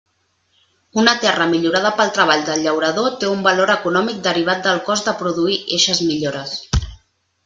Una terra millorada pel treball del llaurador té un valor econòmic derivat del cost de produir eixes millores.